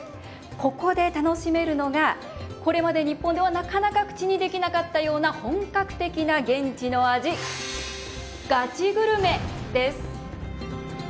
ここで楽しめるのがこれまで日本ではなかなか口にできなかったような本格的な現地の味「ガチグルメ」です。